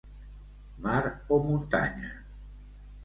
Mar o muntanya.